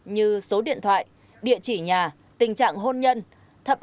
như số điện thoại địa chỉ nhà tình trạng hôn nhân